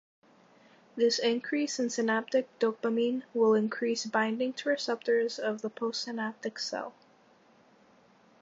This increase in synaptic dopamine will increase binding to receptors of the post-synaptic cell.